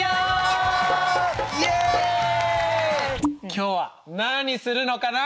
今日は何するのかな？